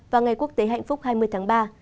và ngày quốc tế hạnh phúc hai mươi tháng ba